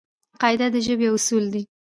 قاعده د ژبې یو اصل دئ.